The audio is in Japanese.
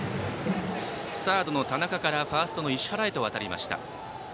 サードの田中からファーストの石原へと渡りました。